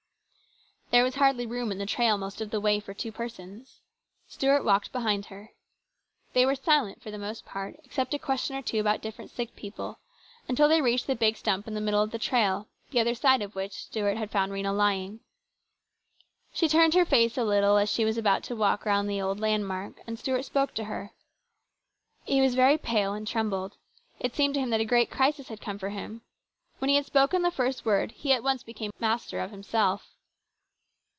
There was hardly room in the trail most of the way for two persons. Stuart walked behind her. They were silent for the most part, except a question or two about different sick people, until they reached 15 226 HIS BROTHER'S KEEPER. the big stump in the middle of the trail, the other side of which Stuart had found Rhena lying. She turned her face a little as she was about to walk round the old landmark, and Stuart spoke to her. He was very pale, and trembled. It seemed to him that a great crisis had come for him. When he had spoken the first word he at once became more master of himself.